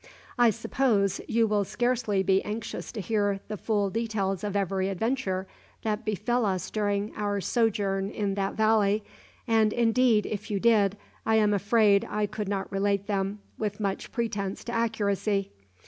"I suppose you will scarcely be anxious to hear the full details of every adventure that befell us during our sojourn in that valley; and indeed, if you did, I am afraid I could not relate them with much pretence to accuracy.